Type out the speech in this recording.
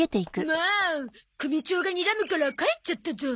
もう組長がにらむから帰っちゃったゾ。